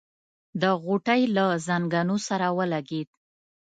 د غوټۍ له ځنګنو سره ولګېد.